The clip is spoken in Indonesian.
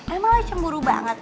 emang lo cemburu banget